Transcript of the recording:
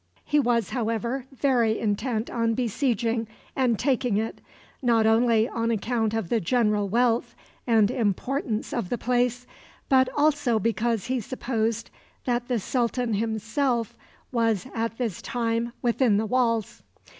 He was, however, very intent on besieging and taking it, not only on account of the general wealth and importance of the place, but also because he supposed that the sultan himself was at this time within the walls.